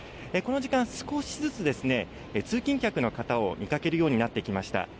この時間、少しずつ通勤客の方を見かけるようになってきました。